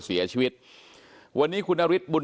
เป็นมีดปลายแหลมยาวประมาณ๑ฟุตนะฮะที่ใช้ก่อเหตุ